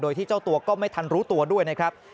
โดยที่เจ้าตัวก็ไม่ทันรู้ตัวด้วยนะครับ